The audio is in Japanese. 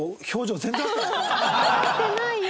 合ってないよ。